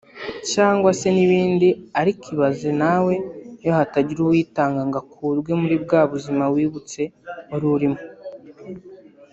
cyangwa se n’ibindi ariko ibaze nawe iyo hatagira uwitanga ngo ukurwe muri bwa buzima wibutse wari urimo